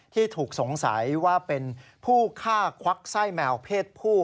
ที่ถูกสงสัยว่าเป็นผู้ฆ่าควักไส้แมวเพศผู้